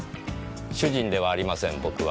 主人ではありません僕は。